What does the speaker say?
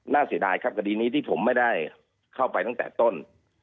เสียดายครับคดีนี้ที่ผมไม่ได้เข้าไปตั้งแต่ต้น